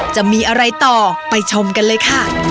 จะมีอะไรต่อไปชมกันเลยค่ะ